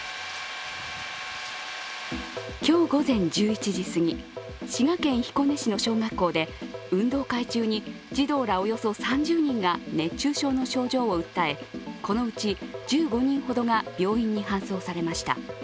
今日午前１１時すぎ、滋賀県彦根市の小学校で運動会中に児童らおよそ３０人が熱中症の症状を訴え、このうち１５人ほどが病院に搬送されました。